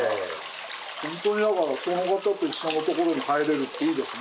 本当にだからその方と一緒のところに入れるっていいですね。